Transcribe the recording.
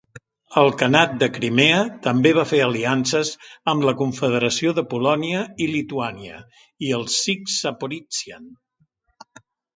El Khanat de Crimea també va fer aliances amb la Confederació de Polònia i Lituània, i el Sich Zaporizhian.